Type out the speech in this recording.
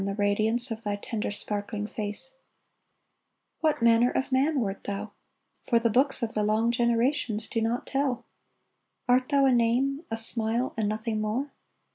The radiance of thy tender, sparkling face ? What manner of man wert thou ? For the books Of the long generations do not tell ! Art thou a name, a smile, and nothing more